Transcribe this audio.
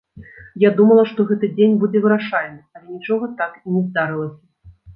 Я думала, што гэты дзень будзе вырашальны, але нічога так і не здарылася.